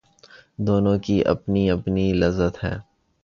دونوں کی اپنی اپنی لذت ہے